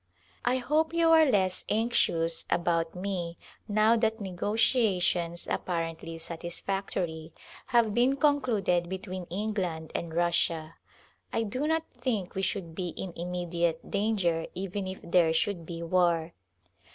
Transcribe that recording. I hope you are less anxious about me now that ne gotiations — apparently satisfactory — have been con cluded between England and Russia. I do not think we should be in immediate danger even if there should be war.